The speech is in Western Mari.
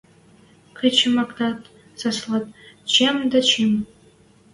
Кӹчӹмӓктӓт, саслат: чӹм дӓ чӹм